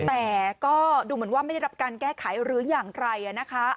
แต่ก็ดูเหมือนว่าไม่ได้รับการแก้ไขหรืออย่างไรนะคะ